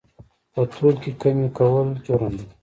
په تول کې کمي کول جرم دی